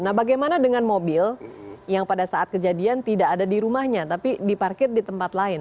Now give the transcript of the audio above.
nah bagaimana dengan mobil yang pada saat kejadian tidak ada di rumahnya tapi diparkir di tempat lain